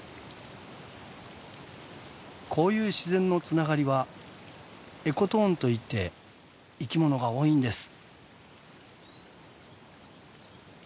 こういう自然のつながりは「エコトーン」といって生き物が多いんです。